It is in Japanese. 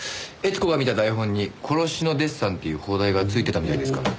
悦子が見た台本に『殺しのデッサン』っていう邦題がついてたみたいですから。